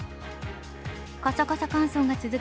カサカサ乾燥が続く